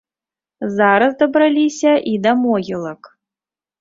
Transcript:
Зараз дабраліся і да могілак.